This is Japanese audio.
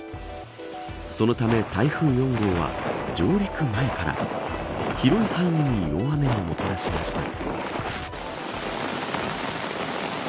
そのため、台風４号は上陸前から広い範囲に大雨をもたらしました。